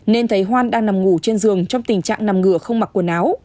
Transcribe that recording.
nên thấy hoan đang nằm ngủ trên giường trong tình trạng nằm ngửa không mặc quần áo